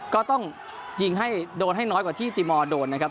ก็ต้องยิงให้โดนให้น้อยกว่าที่ติมอร์โดนนะครับ